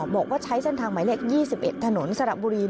บอกว่าใช้เส้นทางหมายเลข๒๑ถนนสระบุรี